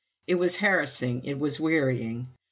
It was harassing, it was wearying.